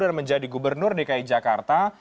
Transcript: dan menjadi gubernur di kin jakarta